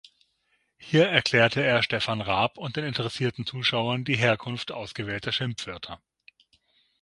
Hier erklärte er Stefan Raab und den interessierten Zuschauern die Herkunft ausgewählter Schimpfwörter.